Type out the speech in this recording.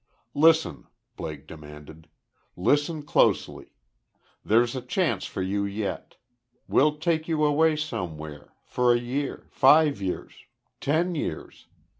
"Listen!" Blake demanded. "Listen closely. There's a chance for you yet! We'll take you away somewhere for a year five years ten years.